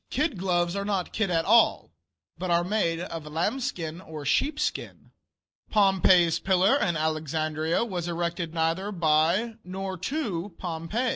Kid gloves are not kid at all, but are made of lambskin or sheepskin. Pompey's Pillar, in Alexandria, was erected neither by nor to Pompey.